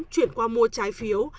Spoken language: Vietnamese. chuyển qua mua trái phiếu